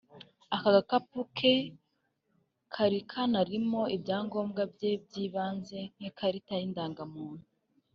Aka gakapu ke kari kanarimo ibyangobwa bye by’ibanze nk’ikarita ndangamuntu